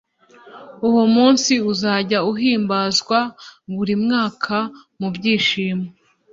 uwo munsi uzajya uhimbazwa buri mwaka mu byishimo